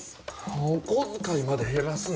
お小遣いまで減らすの？